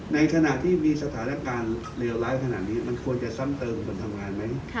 ในขณะที่มีสถานการณ์เลวร้ายขนาดนี้มันควรจะซ้ำเติมคนทำงานไหม